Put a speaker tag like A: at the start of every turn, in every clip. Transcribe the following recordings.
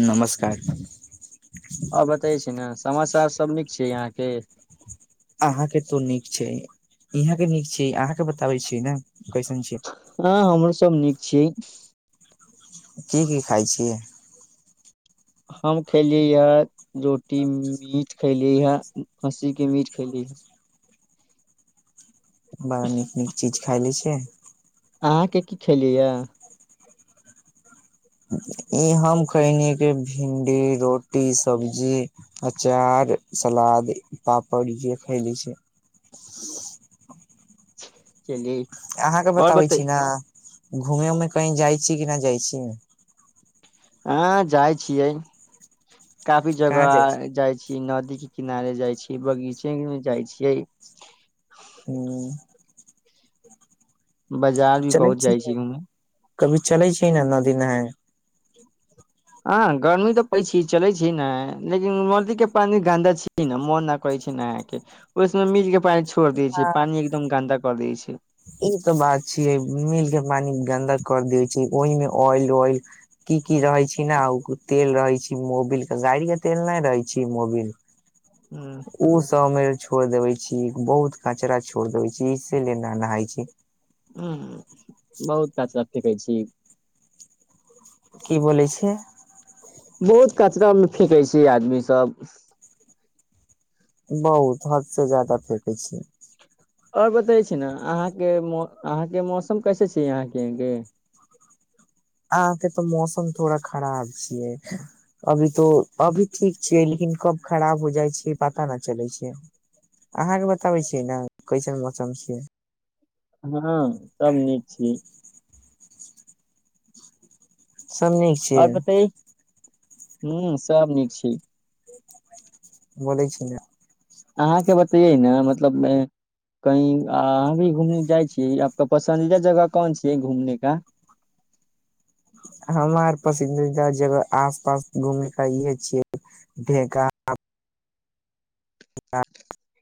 A: नमस्कार
B: आ बतबय छी ने समाचार सब नीक छै यहाँ केँ
A: अहाँ केँ त नीक छैक यहां केँ नीक छैक अहाँके बताबै छीयै ने कैसन छै
B: हँ हमरो सब नीक छ [inaudible]
A: की की खाइत छि
B: हम खेलियै हे रोटी मीट खेलियै हे खस्सीकेँ मीट खेलीहे
A: ब नीक नीक चीज खाय लैत छियैक
B: अहाँके की खेली यए
A: इ हम खैली भिन्डी रोटी रोटी सब्जी अचार सलाद पापड़ जे खयलै छै
B: चलिय [unintelligible]
A: अहाँके बताबय छी न घूमे उमे कहि जाइत छी कि नहि जाइत छी
B: हँ जाइ छियैक काफी
A: कहाँ जाइ
B: जगह जाइत छी नदी किनारे जाइत छियै बगीचे मे जाइत छियैक
A: छी
B: बाजार भी पहुँच जाइत छी घूमय
A: कभी चलै छि न नदी नेहाय
B: ह गर्मी तऽ पै छै चले छै ने लेकिन नदी के पानि गन्दा छै ने मन न करै छै न उस मीच के पान ोड़
A: हँ
B: दिय पी एकदम गन्दा [unintelligible] कर दै छै
A: ई तो बात छिय मिल के पानि गंदा कर दै छै ओहिमे ऑइल ओइल की की रहे छै न ओ तेल रहै छै मोबिल के गड़ि के तेल नहि रहै छी मोबिल
B: ह
A: ओसभमे छोड़ देबे छी बहुत कचरा छोड़ देबै छी इसलिए नह नहाइ छी
B: ह बहुत खचा कहै छी
A: की बोलै छिय
B: बहुत कचरा मे फेकै छै आदमी सब
A: बहुत हरसँ जाददा फेेक छी
B: आओर बतै छी ने अहाँके अहाँके मौसम कैसे छै यहाँकेह
A: अहाँके तऽ मौसम थोड़ा खराब छियै अभी तो अभी ठीक छियै लेकिन कब खराब हो जाइ छै पता न चलै छै अहाँके बताबै छियै ने कैसन मौसम छियै
B: हँ सभ नीक छी
A: सभ नीक छियै
B: हू सब नीक छी
A: बोलै छिये
B: अहाँके बतैयै ने मतलब कही अहाँ भी घूम जाइ छियै आपके पसन्दीदा जगह कोन छे घूमने का
A: हमार पसन्दीदा जगह आसपास घूमयके इहे छियै ढा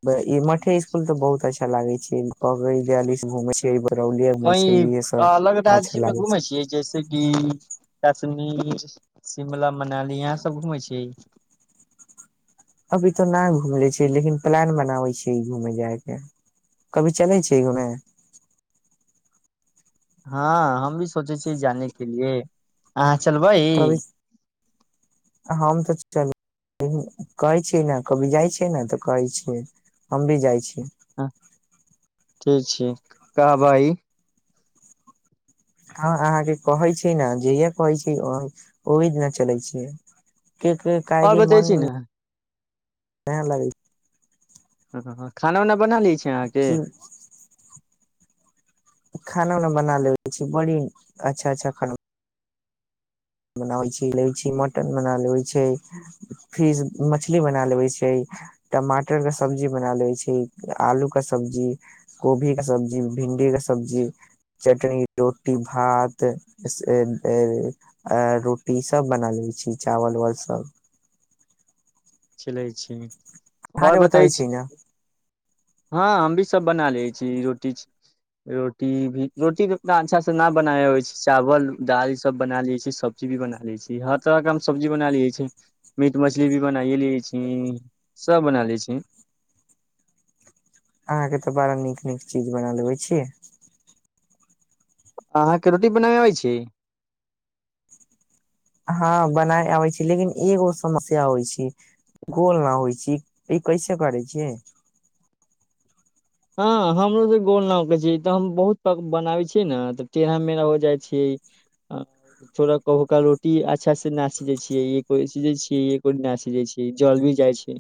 A: ह [inaudible] ई मठे स्कूल तऽ बहुत छै अच्छ [inaudible] [unintelligible] लागे छी
B: वहि अलग राज्यमे
A: लागे
B: घुमेै
A: छै
B: छियै जैसे कि कश्मीर शिमला मनाली यहाँ सब घुमै छी
A: अभी तऽ नैय घूम लै छै लेकिन प्लेन बनाबै छि घूमेय जायके कभी चलै छै घूमेय
B: हँ हम भी सोचे छियै जाने के लिए अह
A: तभि हम तऽ च कहै छियै ने कभी जाइ छियै ने तऽ कहै छियै हम भी जाइ छी [inaudible]
B: हँ ठीक छिये का भाई
A: हँ अहाँके कहै छै ने जे कहै छै ओहि दिना चलै छैै की कइ
B: आओर
A: काई के
B: बतै
A: मन
B: छी ने
A: केहेन लागै
B: खाना उना बना लि छी अहाँके
A: ह्म खाना उना बना लेबै छी बड़ी अच्छा अच्छा खाना बनाबै छी लै छी मटन बना लेबै छी फिस मछली बना लेबै छी टमाटरके सब्जी बना लेबै छै आलूके सब्जी कोभीके सब्जी भिंडीके सब्जी चटनी रोटी भात आ रोटीसभ बना लै छी चावल उबल सभ
B: चलै छै
A: अहाँके बताबै छी न
B: हँ हम भी सभ बना लैत छी रोटी रोटी भी रोटी तऽ उतना अच्छासँ ना बनाबे छै चावल दाल ई सभ बना लैत छी सब्जी भी बना लैत छी हर तरहकेँ हम सब्जी बना लै छी मीट मछली भी बना लैत छी सभ बना लैत छी
A: अहाँके तऽ बड़ा नीक नीक चीज सभ बना लेबैत छियै
B: अहाँके रोटी बनाबै आबैत छै
A: हँ बनाय आबै छै लेकिन एगो समस्या होइ छै गोल न होइ छै उ कैसे करै छियै
B: हँ हमरो केँ गोल न होखै छै तऽ हम बहुत प बनाबै छियै ने तऽ टेढ़ा मेढ़ा हो जाइ छै थोड़ा कहू की रोटी अच्छासँ न सिझै छियै एक को सिझै छियै एक को न सिझै छियै जल भी जाइ छै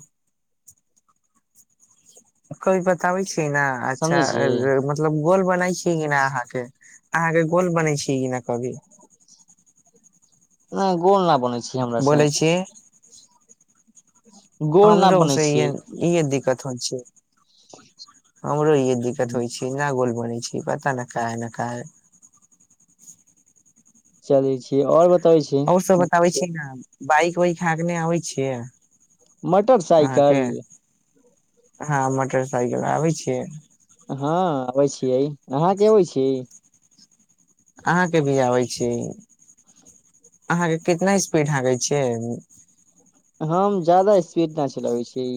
A: कोइ बताबै छै ना अच्छा
B: समझै छियै
A: मतलब गोल बनाइ कि ना अहाँके अहाँके गोल बनै छी किना कभी
B: नहि गोल न बनैय छी हमरा सँ
A: बोलै छियै
B: गोल ना बनैत छियै
A: कत होइ छै हमरो इहे दिक्कत
B: हूँ,
A: होइ छी ना गोल बनैय छै पता न काहे न काहे
B: चलै छिये आओर बत
A: आओर सभ बताबै बाइक वाइक हाँकने आबै छियै
B: मोटरसाइकल
A: अहाँके हँ मोटरसाइकिल आबैत छियै
B: हँ अबैत छियै अहाँ के अबैत छी
A: अहाँके भी आबैत छी अहाँके कितना स्पीड हाँकै छियै
B: हम जादा स्पीड ना चलाबै छियै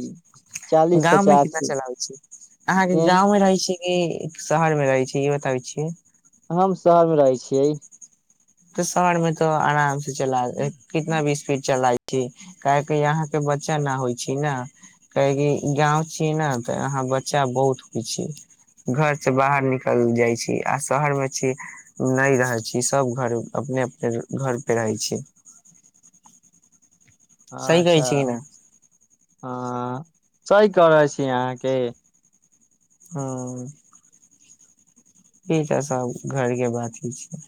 A: गाँवमे कितना चलाबै छियै अहाँके
B: यही।
A: गाँवमे रहैत छीयै की शहरमे रहैत छै ई बताबै छियै
B: हम शहरमे रहैत छियै
A: तऽ शहरमे तऽ आराम सँ चलाय ऐ कितना भी स्पीड चलाएब की काहेकि यहाँ तऽ बच्चा न होइ छै न काहेकि गाँव छिये ने तऽ यहाँ बच्चा बहुत होइ छै घरसँ बाहर निकल जाइत छी आ शहरमे छी नहि रहैय छै सभ घरे अपने अपने घर पे रहैत छीये सही कहैत
B: अच्छा
A: छै की न
B: हँ सही कह रहै छी अहाँकेँ
A: हुँ ई तऽ सभ घरकेँ बात ही छै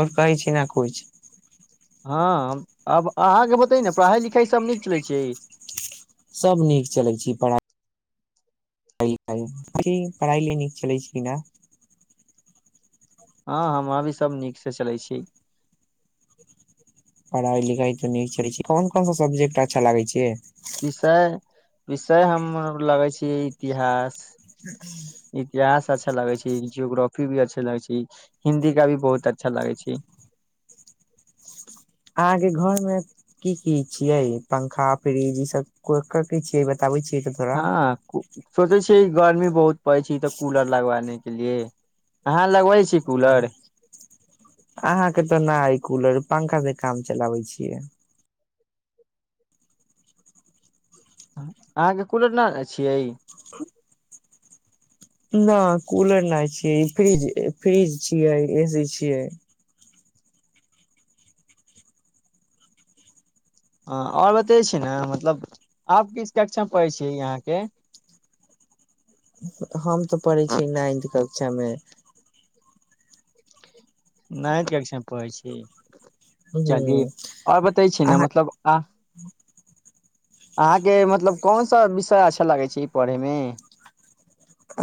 A: आओर कहै छी न किछु
B: हँ आब अहाँके बतै न पढ़ाइ लिखाइ सभ नीक चलै छै
A: सभ नीक चलैय छै पढ़ाइ पढ़ाइ लिखाइ जी पढ़ाइ ले नीक चलै छै न
B: हँ हमरा भी सभ नीकसँ चलैय छै
A: पढ़ाइ लिखाइ त नीक चले छै कोन कोन स सब्जेक्ट अच्छा लगे छे
B: विषय विषय हम लगै छी इतिहास इतिहास अच्छा लगै छै जियोग्राफी भी अच्छा लग छै हिन्दी का भी बहुत अच्छा लगै छै
A: यहां के घर में की की छीये पंखा फ्रिज ई सब को के के छीये बताबे छी
B: हँ क सोचे छियै गर्मी बहुत पड़ै छै तऽ कूलर लगवाने के लिए अहा लगबै छी कूलर
A: अहाँके तऽ नहि कूलर पंखा से काम चलाबै छियै
B: अहाँके कूलर नहि छियै
A: न कूलर नहि छियै ई फ्रिज फ्रिज छियै एसी छियै
B: हँ आओर बते छी ने मतलब आब किस कक्षा पढ़ै छियै यहाँके
A: हम तऽ पढ़ै छियै नाइन्थ कक्षा मे
B: नहि त क छै पै छी चली
A: ह
B: ओर बतै छी ने नब
A: अहाँ
B: मतलब आ अहाँके मतलब कोन सा विषय अच्छा लागै छै ई पढ़यमे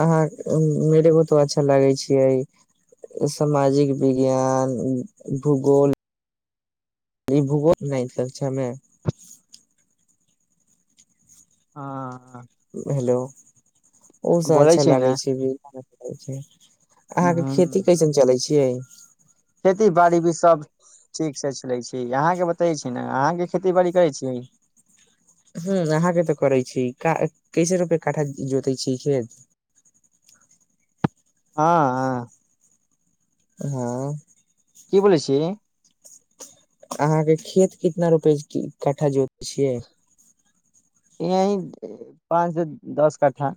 A: अहाँ मेरे को त अच्छा लागै छै सामाजिक विज्ञान भूगोल भूगोल नहि तकछामें
B: हाँ
A: हेलो ओ सब
B: बोलै
A: अच्छा
B: छी
A: लागै
B: ने
A: छै भी अहाँके खेती
B: ह
A: कैसन चलै छियै
B: खेती बाड़ी भी सब ठीक से चले छै अहाँके बतेै छी ने अहाँके खेती बाड़ी करै छीयै
A: ह अहाँके तऽ करै छी का कैसे रुपे काठा जोतै छी खेत
B: हाँ आ
A: हाँ
B: की बोलै छी
A: अहाँके खेत कितना रुपए कट्ठा जोतै छियै
B: यही पाँच से दस कट्ठा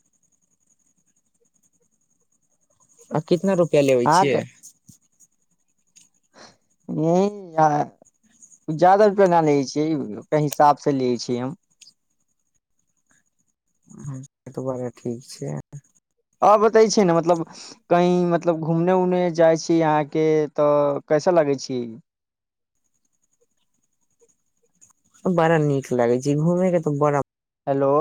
A: आ कितना रुप के लेबै छियै
B: य य जादा रुपया न लियै छियै हिसाबसे लियै छिय हम
A: तऽ बड़ा ठीक छै
B: ओर बताई छी ने मतलब कही मतलब घूमने उने जाइ छी अहाॅंके तऽ कैसा लगै छी
A: बड़ा नीक लागे छै घूमे के तऽ बड़ा
B: हेलो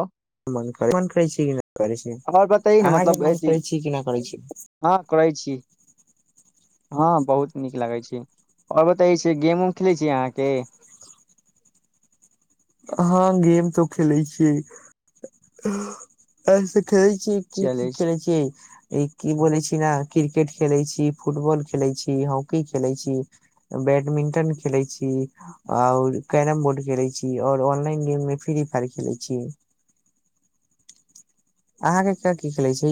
A: मन करै छी मन करै छी करै छै
B: आओर बतै ने
A: अहाँके
B: मतलब
A: मन
B: अथी
A: करै छी कि नहि करै छी
B: हँ करै छी हँ बहुत नीक लागैत छी ओर बतै छी गेम उम खेलैत छी अहाँके
A: हाँ गेम त खेलै छि ऐसे ख छै की की
B: चलै छी
A: खेल छै ई की बोलै छी ना की क्रिकेट खेलै छी फुटबॉल खेलै छी हॉकी खेलै छी बैडमिंटन खेलै छी आउर कैरम बोर्ड खेलै छी ओर ऑनलाइन गेम मे फ्री फायर खेले छी अहाँके क की खेलै छी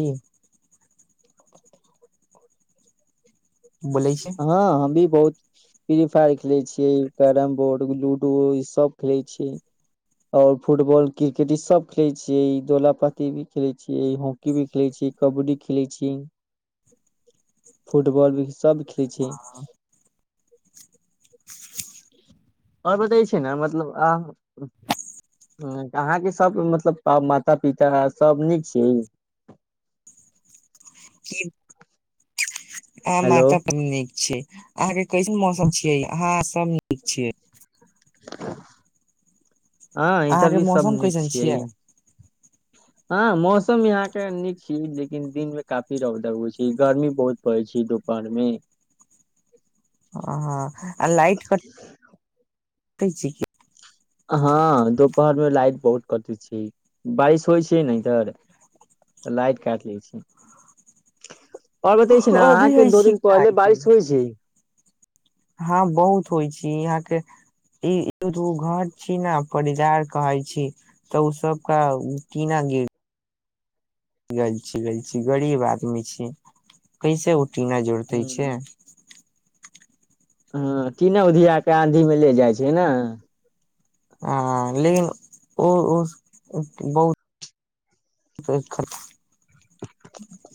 A: बोले छी
B: हाँ हम भी बहुत फ्री फायर खेले छिये कैरम बोर्ड लूडो ई सब खेले छिये आओर फुटबॉल क्रिकेट ई सब खेले छिये दोला पाती भी खेले छिये हॉकी भी खेले छी कबड्डी खेले छी फुटबॉल भी सब खेलय छी ओर बतै छै ने मतलब अ अहाँके सब मतलब माता पिता सब नीक छी
A: [unintelligible] आ
B: हेलो
A: माता त नीक छियै अहाँके कैसन मौसम छियै अहाँ सब नीक छियै
B: हँ
A: अहाँ
B: इधर
A: के
B: भी सब
A: मौसम
B: नीक
A: कैसन
B: छियै हँ मौसम यहाँ के नीक छी लेकिन दिन मे काफी रौदा उगई छै गर्मी बहुत पड़ै छै दुपहर मे
A: ओ हाँ आ लाइट कट [unintelligible]
B: हँ दोपहर मे लाइट बहुत कटै छै बारिश होइ छै ने इधर तऽ लाइट काइट लै छै आओर बतै छी ने
A: अभी
B: अहाँके
A: होइ
B: दू
A: छी कि
B: दिन
A: ना
B: पहिले बारिश होइ छै
A: हँ बहुत होइ छी यहाँ के ई घर छी ने परिजार कहै छी तऽ ओ सबके टिना गिर गल छी गल छी गरीब आदमी छी कैसे उठ टीना जोड़तेै छै
B: हँ टिना उधियके आधीमे ले जाइ छै नअ
A: हँ लेकिन ओ ओ बहुत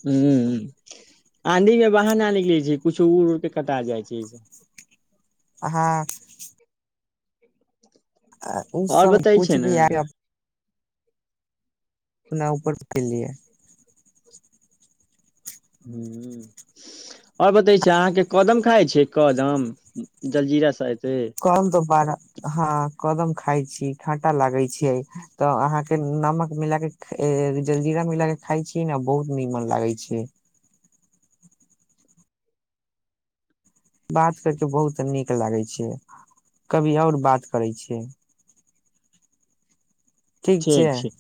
B: हू आंधी मे बाहर न निकलै छै कछो उड़ उड़के कटा जाइ छै इ स
A: हँ आ उ
B: आओर
A: सभ
B: बतै
A: कुछ
B: छै ने
A: भी आयब अनापर फलिए
B: ह आओर बतै छै अहाँके कदम खाइ छ कदम जलजीरा सा
A: करब दु बार हँ कदम खाइ छी ख टा लागेय छै त आहाक के नमक मिला के जलजीरा मिल के खााय छीयै न बहुत नीमन लागै छै बात करि कऽ बहुत नीक लागै छै कभी आओर बात करै छियै
B: ठीक छै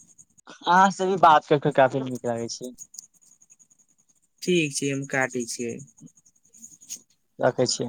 B: आ से भी बात करिक काफी नीक लागै छै
A: ठीक छै हम काटै छियै
B: राखै छियै